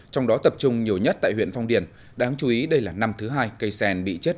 trong đó tập trung nhiều nhất tại huyện phong điền đáng chú ý đây là năm thứ hai cây sen bị chết